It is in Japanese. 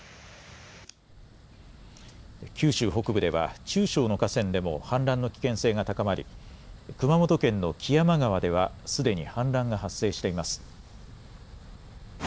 九州北部では中小の河川でも氾濫の危険性が高まり熊本県の木山川ではすでに氾濫が発生しています。